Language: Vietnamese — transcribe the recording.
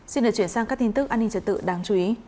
xin được chuyển sang các tin tức an ninh trật tự đáng chú ý